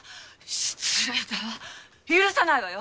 失礼だわ許さないわよ。